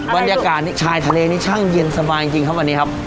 บรรยากาศชายทะเลนี่ช่างเย็นสบายจริงครับวันนี้ครับ